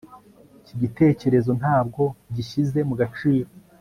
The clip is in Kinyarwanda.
Iki gitekerezo ntabwo gishyize mu gaciro